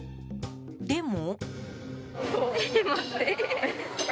でも。